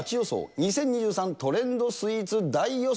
２０２３トレンドスイーツ大予測。